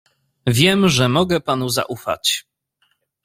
"Wiem, że mogę panu zaufać."